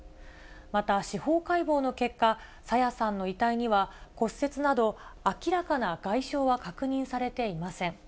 また、司法解剖の結果、朝芽さんの遺体には、骨折など、明らかな外傷は確認されていません。